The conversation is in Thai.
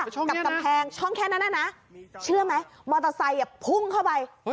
ช่องแค่นั้นนะช่องแค่นั้นนะชื่อไหมมอเตอร์ไซค์พุ่งเข้าไป